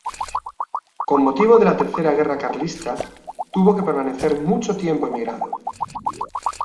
Con motivo de la Tercera guerra carlista, tuvo que permanecer mucho tiempo emigrado.